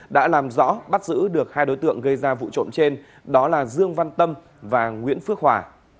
đã làm rõ bắt giữ được hai đối tượng gây ra vụ trộm trên đó là dương văn tâm và nguyễn phước hòa